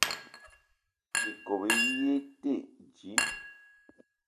Ikob í yé í te dji.